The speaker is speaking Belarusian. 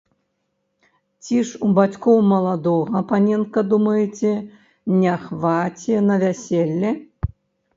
Ці ж у бацькоў маладога, паненка, думаеце, не хваце на вяселле?